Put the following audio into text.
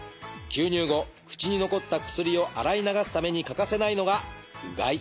吸入後口に残った薬を洗い流すために欠かせないのが「うがい」。